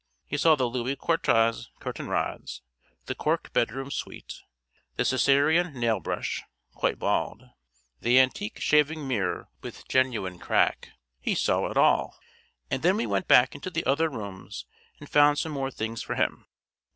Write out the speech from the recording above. He saw the Louis Quatorze curtain rods, the cork bedroom suite, the Cæsarian nail brush (quite bald), the antique shaving mirror with genuine crack he saw it all. And then we went back into the other rooms and found some more things for him.